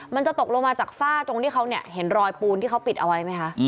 มันจะตกลงมาจากฝ้าตรงที่เขาเนี่ยเห็นรอยปูนที่เขาปิดเอาไว้ไหมคะ